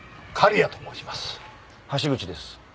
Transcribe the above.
橋口です。